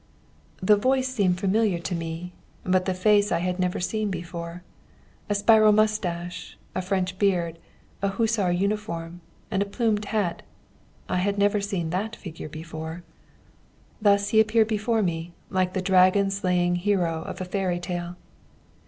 "The voice seemed familiar to me, but the face I had never seen before. A spiral moustache, a French beard, a Hussar uniform, and a plumed hat I had never seen that figure before. "Thus he appeared before me like the dragon slaying hero of a fairy tale.